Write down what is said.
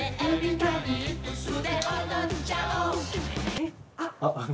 えっあっ！